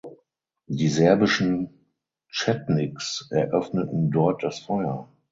Die serbischen Tschetniks eröffneten dort das Feuer.